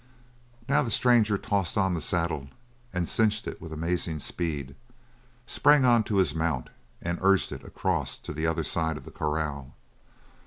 Now the stranger tossed on the saddle and cinched it with amazing speed, sprang onto his mount, and urged it across to the other side of the corral.